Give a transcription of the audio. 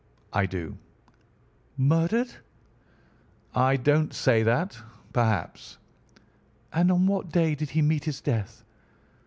"I do." "Murdered?" "I don't say that. Perhaps." "And on what day did he meet his death?"